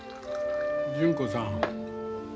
純子さん。